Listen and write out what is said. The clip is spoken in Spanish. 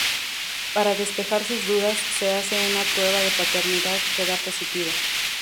Para despejar sus dudas se hace una prueba de paternidad que da positiva.